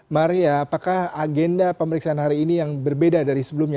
maria apakah agenda pemeriksaan hari ini yang berbeda dari sebelumnya